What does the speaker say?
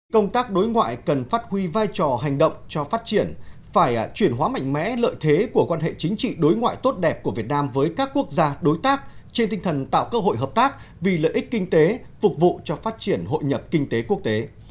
công tác đối ngoại cần phát huy vai trò hành động cho phát triển phải chuyển hóa mạnh mẽ lợi thế của quan hệ chính trị đối ngoại tốt đẹp của việt nam với các quốc gia đối tác trên tinh thần tạo cơ hội hợp tác vì lợi ích kinh tế phục vụ cho phát triển hội nhập kinh tế quốc tế